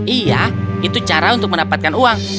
iya itu cara untuk mendapatkan uang